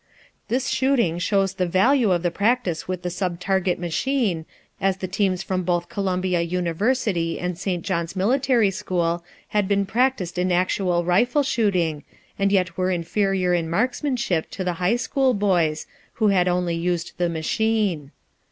This shooting shows the value of the practice with the subtarget machine, as the teams from both Columbia University and St. John's Military School had been practiced in actual rifle shooting, and yet were inferior in marksmanship to the high school boys, who had only used the machine.